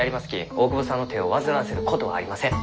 大窪さんの手を煩わせることはありません。